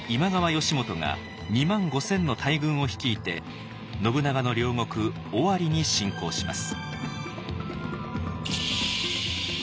義元が２万５，０００の大軍を率いて信長の領国尾張に侵攻します。